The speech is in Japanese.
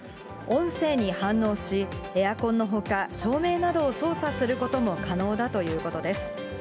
音声に反応し、エアコンのほか照明などを操作することも可能だということです。